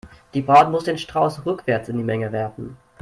Die Braut muss den Strauß rückwärts in die Menge werfen.